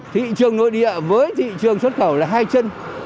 thị trường nội địa với thị trường xuất khẩu là hai chân